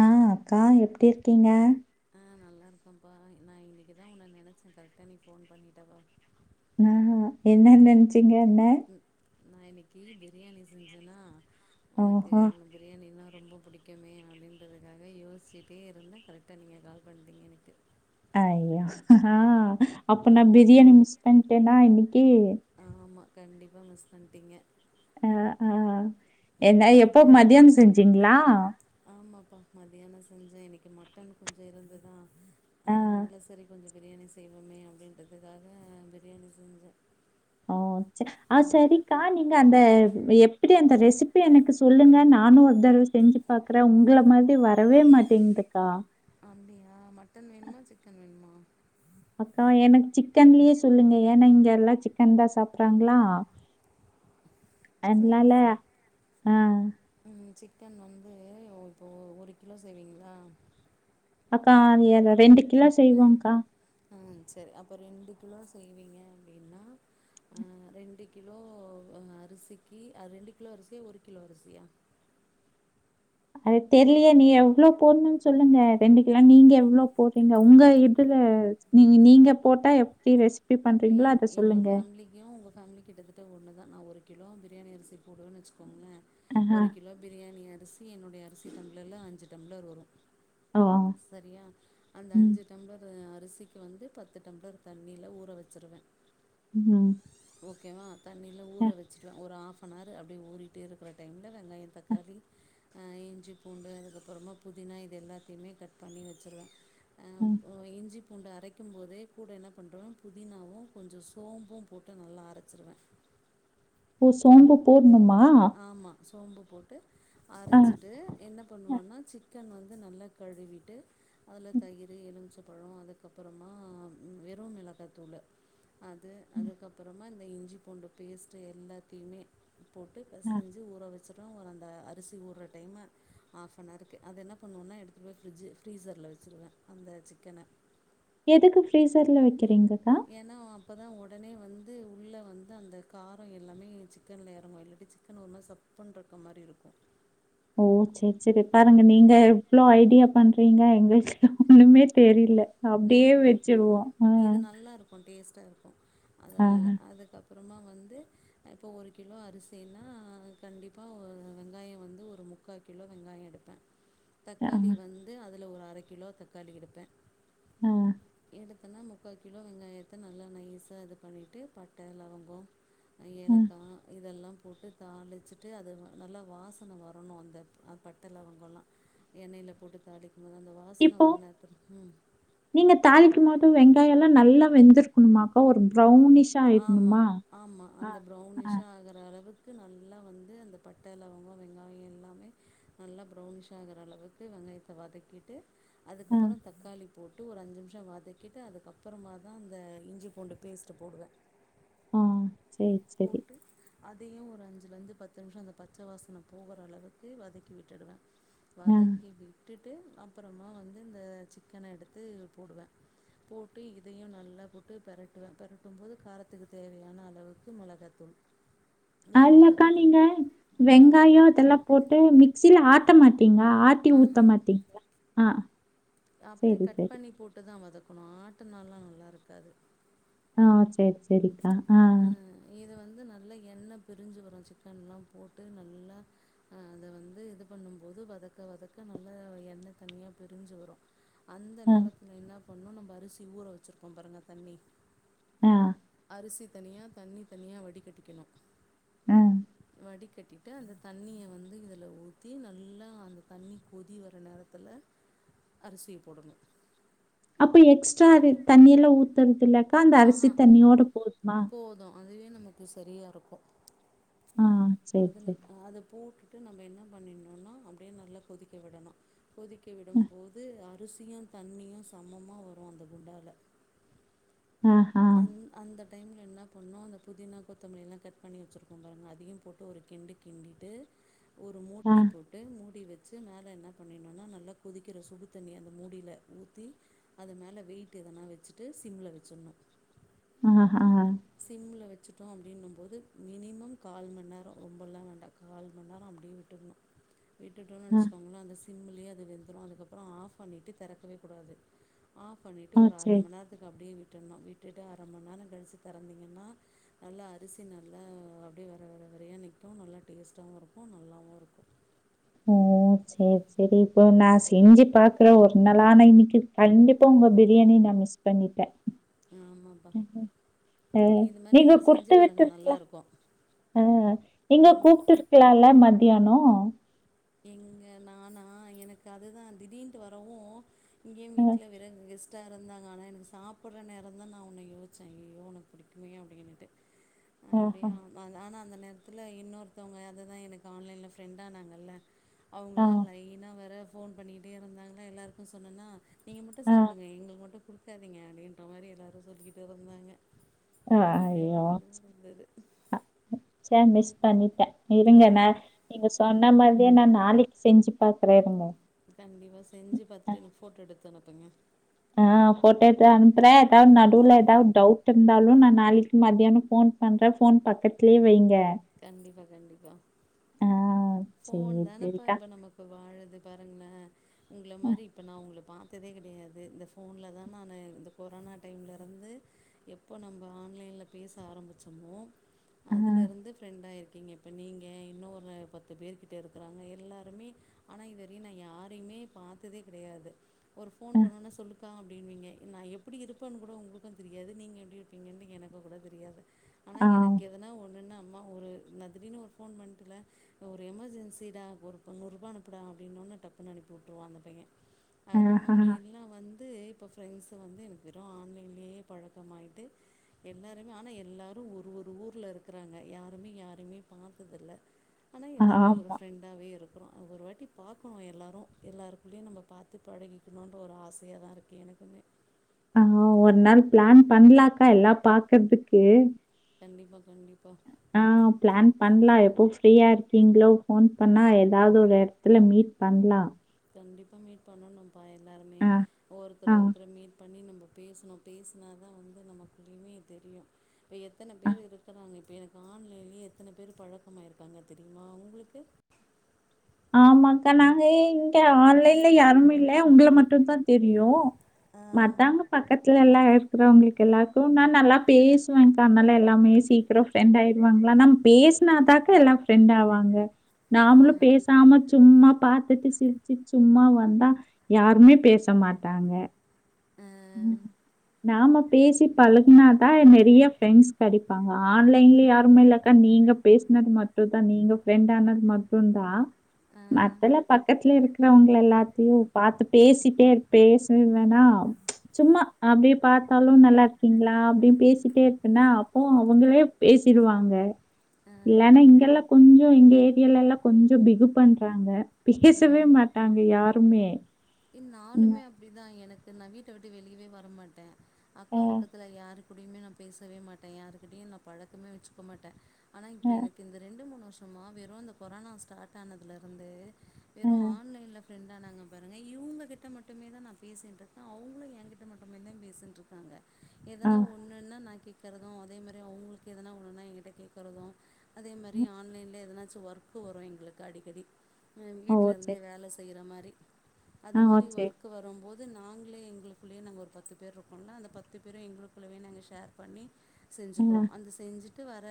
ஆ அக்கா எப்டி இருக்கீங்க ஆ நல்லாருக்கேன்ப்பா நான இன்னைக்கி தான் உன்ன நினச்சேன் கரெக்டாக நீ ஃபோன் பண்ணிட்டப்பா ம்ஹஹஎன்னச்சு த்தீங்க என்ன நான இன்னைக்கி பிரியாணி செஞ்சன்னா உனக்கு ஓஹோ! பிரியாணின ரொம்ப பிடிக்குமேஅப்டின்றதுக்காக யோசிச்சிட்டே இருந்தேன் கரெக்டாக நீங்கள் கால் பண்ணீடிங்க எனக்கு அஐயா ஆ அப்ப நான் ம் பிரயாணி மிஸ் பன்ட் என்னா இன்னைக்கி ஆமா கண்டிப்பா மிஸ் பண்ணிட்டிங்க ஆ ஆ என்ன எப்போ மதியம் செஞ்சீங்களா கொஞ்சம் இனைக்கி மட்டன் கொஞ்சம் இருந்ததா ஆ அதனால சரி கொஞ்சம் பிரியாணி செய்வோமே அப்படின்றதுக்காக பிரியாணி செஞ்சே ஓ! ஆ ச்சரிக்கா நீங்க அந்த எப்டி அந்த ரெசிபி எனக்கு சொல்லுங்க நானும் ஒரு தடவ செஞ்சு பாக்குறேன் உங்கள மாரி வரவே மாட்டிங்குதுக்கா அப்புடியா மட்டன் வேணுமா சிக்கன் வேணுமா அக்கா எனக்கு சிக்கன்லே சொல்லுங்க ஏன்னா இங்க எல்லா சிக்கன் தா சாப்புட்றாங்ளா சரி என்னாலே சரி ஹா சிக்கன் வந்து இப்போ ஒரு கிலோ செய்வீங்ளா அக்கா நீ அந்த ரெண்டு எல்லா செய்வோ கா ஆ செரி அப்போ ரெண்டு கிலோ செய்வீங்க அப்புடின்னா ரெண்டு கிலோ அரிசிக்கு அது ரெண்டு கிலோ அரிசியா ஒரு கிலோ அரிசியா அது தெரியிலியே நீ எவ்ளோ போடணும்னு சொல்லுங்க ரெண்டு கிலோ நீங்க எவ்ளோ போடுறீங்க உங்க இதுல நீ நீங்க போட்டா தி ரெஸ்சிபி பண்றீங்களோ அத சொல்லுங்க நாங்களே கிட்டதிட்ட ஒண்ணு தா ஒரு கிலோ பிரியாணி அரிசி போடுவனு வச்சுக்கோ போவேுச்சுேன் எங்க ஆஹா. ஒரு கிலோ பிரியாணியா அரிசி என்னுடைய அரிசி டம்ளர்ல அஞ்சு டம்ளர் வரும் ஓ! சரியா அந்த ம். அஞ்சு டம்ளர் அரிசி இப்ப வந்து பத்து டம்ளர் தண்ணியில ஊத்தி ஊற வச்சுருவேன் உம் ஓக்கே வா தண்ணியில ஊற வச்சுருவே ஒரு ஆஃப் மாறு அப்புடியே உரிகிட்டு இருக்கிற டைம்ல வெங்காயம் தக்காளி ஹா இஞ்சி பூண்டு அதுக்கப்புறமா புதினா இது எல்லாத்தையுமே கட் பண்ணி வச்சுருவே ம் பூண்டு அரைக்கும் போதே கூட என்ன பண்ணுறோம் புதினாவும் கொஞ்ச சோம்பும் போட்டு நல்லா அரச்சிருவே புஷ்ப் சோம்பு போடுண்ணுமா ஆமா சோம்பு போட்டு அரச்சிட்டு என்ன பண்ணுவோனா சிக் சிக்கன் வந்து நல்லா கழுவிவிட்டு அதுல தயிரு எலுமிச்சம் அதுக்குஅப்புறம்மா வெறும்மிளகத்தூளு அது அதுக்கப்பறம் மா இந்த இஞ்சி பூண்டு பேஸ்ட்டு எல்லாத்தையுமே போட்டு அ. பெசஞ்சு ஊற வச் வச்சுருவேன் ஒரு அந்த அரிசி ஊற டைம்அ ஆஃப் அன்ருக்கு அதது என்ன பண்ணுவோன்னா எடுத்துகட்டு போய் ஃப்ரிட்ஜு ஃப்ரீஸரில் வச்சுடுவேன் அந்த சிக்கன எதுக்கு ஃபிரீசர்ல வெக் செரிங்கக்கா அப்பதா உடனே வந்து உள்ள வந்து அந்த காரோ எல்லாமே சிக்கன்ல எறங்கு இல்லாட்டி சிக்கன் ஒரு மாரி சப்புனு இருக்க மாரி இருக்கு ஓ செரி- செரி பாருங்க நீங்க எவ்ளோ ஐ ப்டியா பண்றீங்க எங்களுக்கு ஒண்ணுமே தெரியல அப்டியே அதுதா வச்சுருவோ ஆ இது நல்லாருக்கும் டேஸ்ட்டா இருக்கும் ஆஹ. அதனால அதுக்கப்ப அப்புறமா வந்து அ இப்போ ஒரு கிலோ அரிசினா கண்டிப்பா ஒரு வெங்காயோ வந்து ஒரு முக்கா கிலோ வெங்காயோ எடுப்பே ஆ, தக்காளி வந்து அத அதுல ஒரு அரை கிலோ தக்காளி எடுப்பே ஆ எடுத்தனா முக்கா கிலோ வெங்காயத்த நல்லா நைஸா இது பண்ணிட்டு பட்ட லவங்கோ ஆ. ஏலக்கா‌ இதெல்லா போட்டு தாளிச்சிட்டு அது நல்லா வாசன வரணு அந்த அ பட்ட லவங்கோ எல்லா எண்ணெயில போட்டு தாளி அது அந்த வாசனை இப்போ வர நேரத்தில ம் நீங்க தாளிக்கும்போது வெங்காயம் எல்லாம் நல்லா வெந்திருக்கணுமாக்கா ஒரு ப்ரௌவுன் ஆமா- ஆமா அந்த ஆ, ப்ரௌனிஷா ஆகற அளவுக் க்கு நல்லா வந்து அந்த பட்ட லவங்கோ வெங்காயோ எல்லாமே நல்லா ப்ரௌனிஷா ஆகுற அளவுக்கு வெங்காயத்த வதக்கிட்டு ஆ, அதுக்கப்புறோ தக்காளி போட்டு ஒரு அஞ்சு நிமிஷோ வதக்கிட்டு அதுக்கப்புறமாதா அந்த இஞ்சி பூண்டு பேஸ்ட்டு போடுவ ஆஹ் போட்டு அது எதையும் ஒரு அஞ்சுல இருந்து பத்து நிமிஷோ அந்த பச்ச வாசன போற அளவுக்கு வதக்கி விட்டுடுவ ஆ. வதக்கி விட்டுட் போட்டு அப்புறோமா வந்து இந்த சிக்கன எடுத்து போடுவ போட்டு இதையு நல்லா போட்டு பெரட்டுவே பெரட்டும் போது காரத்துக்கு தேவையான அளவுக்கு உப்பு மொளகாத்தூள் ஆ இல்லக்கா நீங்க ம் வெங்காயோ இதெல்லாம் போட்டு மிக் சில ஆத்தமாத் ட்டீங்களா ஆத்தி ஊத்தமாட்டீங்களா ஆஹ் அப்டியே கட் பண்ணி போட்டுதா வதக் ஆட்டுனால நல்லாயிருக்காது ஆ செரி செரிக்கா அஹ் இத வந்து நல்லா எண்ணெய் பிரிஞ்சு வரோ சிக்கன்லா போட்டு நல்லா அத வந்து இது பண்ணும்போது வதக்க வதக்க நல்லா எண்ணெய் தனியா பிரிஞ்சு வரோ அந்த ஆ, நேரத்துல என்ன பண்ணோ நம்ம அரிசி ஊற வெச்சுருக்கோம் பாருங்க தண்ணி ஆ அரிசி தனியா தண்ணி தனியா வடி கட்டிக்ணோம் ம் வடிக்கட்டிட்டு அந்த தண்ணிய வந்து இதுல ஊத்தி நல்லா அந்த தண்ணி கொதி வர நேரத்துல அரிசிய போடணோம் அப்போ எக்ஸ்ட்ரா அது தண்ணில ஊதனோ இலனாக்கா அந்த அரிசி ஆஹான் தண்ணியோட போதுமா எனக்கு சரியாயிருக்கோ ஆ, சரி, அதுன சரி. அத போட்டு விட்டு நம்ம என்ன பண்ணினோம்னா அப்டியே நல்லா கொதிக்க விடனோம் கொதிக்க விடம் போது அரிசி அரிசியும் தண்ணியும் சமம்மா வரும் அந்த குண்டால்ல ஆ ஹா டைம்ல என்ன பண்ணோ அந்த புதினா கொத்தமல்லில்லா கட் பண்ணி வெச்சிருக்கோ பாருங்க அதையோ போட்டு ஒரு கிண்டு கிண்டிட்டு ஒரு ஆ, மூடி போட்டு மூடி வெ ச்சு மேல என்ன பண்ணிணோம்னா நல்லா கொதிக்குற சுடு தண்ணி அந்த மூடில ஊத்தி அத மேல வெயிட்டு எதன்னா வெச்சுட்டு சிம்ல வெச்சுணோம் ஆ சிம்ல வெச் வெச்சுட்டோ அப்டின்னோ போது மினிமம் கால் மணிநேரோ ரொம்பல்லா வேண்டா கால் மணிநேரோ அப்டியே விட்டுரணோம் விட்டுட்டோன்னு ஆ, நெனச்சுக்கோங்களே அந்த சிம்முலயே அது வெந்துரும் அதுக்கப்பறோம் ஆஃப் பண்ணிட்டு தெறக்கவே கூடாது ஆஃப் பண்ணிட்டு ஆ, ஒரு சரி. அர மணி நேரத்துக்கு அப்டியே விட்டு விட்டுனோ விட்டுட்டு அர மணி நேரோ கழிச்சு தெறந்தீங்கன்னா நல்லா அரிசி நல்லா அப்டியே வெற வெற வெறையா நிக்கும் நல்லா டேஸ்டாவும் இருக்கும் நல்லாவும் இருக்கும் ஓ ஓ செரி செரி இப்போ நா செஞ்சு பாக்குறேன் ஒரு நாளு ஆனா இன்னிக்கு கண்டிப்பா உங்க பிரியாணி நா மிஸ் பண்ணிட்டேன் [inaudible] ஆமாப்பா இது மாதிரி நீங்க நீங்கள் செஞ்சு குடுத்து பாருங்கள் விட்டுயிருக்கலா நல்லாயிருக்கும் அ நீங்க கூப்டுயிருக்கலாம்ல ம தியானோ எங்க நானா எனக்கு அதுதா திடீன்ட்டு வரவோம் இங்கியோ அ வீட்ல வெறங்குஸ் டாயிருந்தாங்க ஆனா சாப்பட்ற நேரம்தா நா உன்ன யோசிச்சேன் ஐயோயோ உனக்கு புடிக்குமே அப்டின்னுட்டு ஆஹா. அப்டியா ஆ ஆனா அந்த நேரத்துல இன்னொருத்தவங்க அதுதா எனக்கு ஆன்லைன்ல ஃப்ரெண்டானாங்கள்ல ஆ, அவங்கல்லா லைனா வேற ஃபோன் பண்ணிகிட்டே இருந்தாங்க எல்லாருக்கும் சொன்னனா நீங்க மட்டும் ஆ, சாப்டுங்க எங்களுக்கு மட்டும் குடுத் சரிங்க அப்டின்ற மாரி எல்லோரும் சொல்லிக்கிட்டு இருந்தாங்க ஆஹ் அதே ஒரு ஐயோ இதுவாக இருந்தது அ அ [unintelligible] பண்ணிட்ட இருங்கண்ணே ஆனால் நீங்க சொன்ன மாதிரியே நா நான் நாளைக் செஞ்சு பாக்குற இருங்க கண்டிப்பா செஞ்சு பாத்துட்டு எனக்கு ஃபோட்டோ எடுத்து அனுப்புங்க ஆஹ் போட்டோ எடுத்து அனுப்புறே எதாவ்து நடுவுல ஏதாவ்து டவுட் இருந்தாலு நா நாளைக்கு மத்தியானோ ஃபோன் பண்ற ஃபோன் பக்கத்துலயே வைங்க கண்டிப்பா கண்டிப்பா ஆ சரி, சரி. ஃபோன்தானப்பா இப்ப நமக்கு வாழுது பாருங்களே உங்கள மாரி இப்ப நா உங்கள பா த்ததே கிடையாது இந்த ஃபோன்லதா நானு இந்த கொரோனா டைம்லருந்து எப்போ நம்ம ஆன்லைனில் பேச ஆரமிச்சமோ ஆ, அதுல இருந்து ண்டா இருக்கீங்க இப்ப நீங்க இன்னொரு பத்து பேருகிட்ட இருக்கறாங்க எல்லாருமே ஆனா இதுவரையு நா யாரையுமே பாத்ததே கெடையாது ஒரு அ, ஃபோன் பண்ணணுன்னா சொல்லு க்கா அப்டின்னுவீங்க நா எப்படி இருப்பேன்னு கூட உங்களுக்கும் தெரியாது நீங்க எப்டி இருப்பீங்கன்னு எனக்குக்கும் கூட தெரியாது ஆனா ஆ, எனக்கு எதனா ஒண்ணுன்னா அம் ஒரு நா திடீர்னு ஒரு ஃபோன் பண்ட்டுல ஒரு எமர்ஜென்சிடா ஒரு நூரூபா அனுப்புடா அப்டின்னவுடனே டக்குனு அனுப்பி விட்ருவா அந்த பைய அது மாரி ஆஹஹா, எல்லா வந் ந்து இப்ப ஃபிரண்ட்ஸ் வந்து எனக்கு வெறு ஆன்லைன்லயே பழக்கமாயிட்டு எல்லாருமே ஆனா எல்லாரும் ஒரு ஒரு ஊர்ல இருக்கிறாங்க யார் ருமே யாருமே பாத்ததில்ல ஆனா எல்லாருமே ஒரு ஆமா. ஃப்ரெண்டாவே இருக் அப்பறோ அது ஒரு வாட்டி பாக்கணு எல்லாரும் எல்லாருக்குள்ளயு நம்ம பாத்து பழகிக்கணுன்ற ஒரு ஆசையாதா இருக்கு எனக்குமே ஆஹ் ஒரு நாள் பிளான் பண்லாக்கா எல்லா பாக்குறதுக்கு கண்டிப்பாக கண்டிப்பாக ஆஹ் பிளான் பண்லா எப் எப்போ ஃப்ரீயா இருக்கீங்களோ ஃபோன் பண்ணா ஏதாவது ஒரு இடத்துல மீட் பண்லா கண்டிப்பா மீட் பண்ணணு ப்ப எல்லாருமே ஆ, ஒருத்தர ஆ, ஒருத்தர் மீட் பண்ணி நம்ம பேசணு பேசுனாதா வந்து நமக்குள்ளயுமே தெரியு இப்ப எத்தன ஆ. பேர் இருக்கிறாங்க இப்ப எனக் ஆன்லைன்லயே எத்தனை பேர் பழக்கமாயிருக்காங்க தெரியுமா உங்களுக்கு ஆமாக்கா நாங்க இங்க ஆன்லைன்ல யாருமே இல்ல உங்கள மட்டும்தா தெரியும் மத்தவங்க பக்கத்துல எல்லா க்கிற அவுங்களுக்கு எல்லாருக்கும் நா நல்லா பேசுவேங்க்கா அதனால எல்லாமே சீக்கிரோ ஃப்ரெண்ட் ஆயிடுவாங்களா நம்ம பேசினாதாக்கா எல்லாம் ஃப்ரெண்ட் ஆவாங்க நாமளும் ஆமாம் பேச ஆமா சும்மா பாத்துட்டு சிரிச்சு சும்மா வந்தா யாருமே பேச மாட்டாங்க உம் நாம பேசி பலகனாதா நெரிய ஃப்ரெண்ட்ஸ் கெடிப்பாங்க ஆன்லைன்ல யாருமே இல்லக்கா நீங்க பேசினது மட்டுந்தான் நீங்க ஃப்ரெண்ட் ஆனது மட்டுந்தா மத்தல பக்கத்துல இருக்கிறவங்கல எல்லாத்தையும் பாத்து பேசிட்டே இ பேசவேன்டா சும்மா அப்டி பாத்தாலும் நல்லா இருக்கீங்களா அப்டின் பேசிட்டே இருப்பன்னா அப்போ அவங்களே பேசிடுவாங்க இல்லன்னு இங்கெல்லா கொஞ்ச எங்க ஏரியால எல்லா கொஞ்ச பிகு பண்றாங்க பேசவே மாட்டாங்க யார் துமே எ நானுமே அப்டிதா எனக் நா வீட்ட விட்டு வெளியவே வர மாட்ட அ, அக்க பக்கத்துல யாருக் அப்படியுமே நா பேசவே மாட்டே யாருக்கிட்டயோ நா பழக்கமே வச்சுக்க மாட்டே ஆனா இப்ப அ, எனக்கு இந்த ரெண்டு மூணு வருஷம் சும்மா வெறு இந்த கொரோனா ஸ்டார்ட் ஆனதுலருந்து அ, வெறு ஆன்லைன்ல ப்ரண்டானாங்க பார் [unintelligible] இவுங்ககிட்ட மட்டுமே தா நா பேசிட்டு இருக்கே அவுங்க எகிட்ட மட்டுமே தா பேசிட்யிருக்காங்க ஆ, எதுனா ஒண்ணுன்னா நான் கே கேக்கறதோ அதே மாரி அவங்களுக்கு எதனா ஒன்ணுனா எகிட்ட கேக்கறதோ அதே மாரி அ, ஆன்லைன்ல எதுன ஒர்க்கு வரோ எங்களுக்கு அடிக்கடி ம் ஓ சரி. வீட்லருந்தே வேல செய்றா மாரி அது ஆ, ஓ மாரி சரி. ஒர்க்கு வரும்போ அது நாங்ளே எங்களுக்குள்ளேயே நாங்க ஒரு பத்து பேர் இருக்கோல்ல அந்த பத்து பேரு எங்களுக்குள்ளேயே நாங்க ஷேர் பண்ணி ஆ, செஞ்சுக்கிறோ அந்த செஞ்சு [unintelligible] வர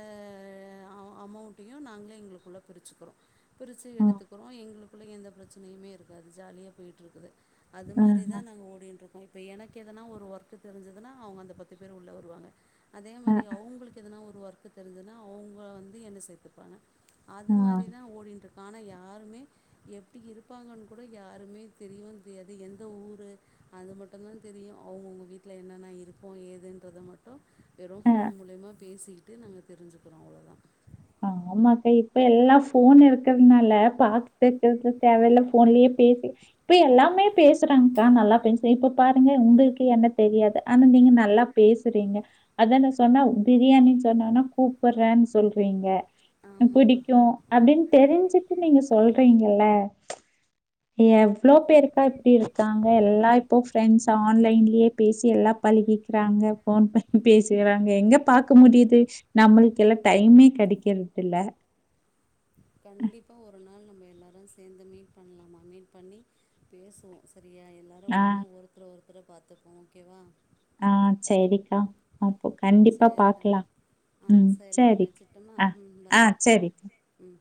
அமோண்ட்டையு நாங்ளே எங்களுக்குள்ளே பிரிச்சிக்கிறோ பிரிச்சி ஓ, எடுத்துக்கிறோ எங்களு [unintelligible] எந்த பிரச்சனையுமே இருக்காது ஜாலியா போய்ட்டுருக்குது அது ஆ, மாரிதா நாங்க ஓடின் இருக்கோம் இப்ப எனக்கு எதனா ஒரு ஒர்க்கு தெரிஞ்சுதுனா அவங்க அந்த பத்து பேர் உள்ள வருவாங்க அதே அ, அ, மாரி அவங்களுக்கு எதனா ஒ ஒர்க்கு தெரிஞ்சுதுனா அவங்கள வந்து என்ன சேத்துப்பாங்க அது ஆ, மாரிதா ஓடின்ருக் காண யாருமே எப்டி இருப்பாங்கன் கூட யாருமே தெரியவு தெரியாது எந்த ஊரு அது மட்டுந்தா தெரியும் அவங்கவுங்க வீட்டில என்னென்ன இருப்போ ஏதுன்றது மட்டும் வெறு அ. போன் மூலியமா பேசி அப்டினு நாங்க தெரிஞ்சுக்கிறோ அவ்ளோதா ஆமாக்கா இப்பெல்லாம் போன் இருக்கிறதுனால பாத்துக்கிறது தேவயில்ல போன்லயே பேசி இப்ப எல்லாமே பேசுறாங்க கா நல்லா [unintelligible] பேசி இப்ப பாருங்க உங்களுக்கு என்ன தெரியாத ஆனா நீங்க நல்லா பேசுறீங்க அதனா சொன்னா பிரியாணின்னு சொன்னோன்னா கூப்படுறேன்னு சொல் றிங்க ஆமாப்பா புடிக்கு அப்டின்னு தெரிஞ்சிக்குனு நீங் சொல்றீங்கல்ல எவ்ளோ பேருக்கா இப்டி இருக்காங்க எல்லா இப்ப ஃபிரண்ட்ஸ் ஆன்லைன்லயே பேசி எல்லா பழகிக்கிறாங்க போன் பண்ணி பேசுறாங்க எங்க பாக்க முடியுது நம்மளுக்கெல்லா டைமே கெடைக்கிறத்தில்ல கண்டிப்பா ஒரு நாள் நம்ம எல்லாரு சேர்ந்து மீட் பண்லாமா மீட் பண்ணி பேசுவோ சரியா எல்லாரு ஆஹ் ஒன்னா ஒருத்தர ஒருத் அப்புற பாத்துப்போம் ஓகேவா ஆஹ் செரிக்கா சரிதமா ஆஹ் ம் சரிப்பா சரி வச்சுட்டோம்மா ஆ ம் ஆ பாய்ப்பா ஆஹ் சரி செரி ம்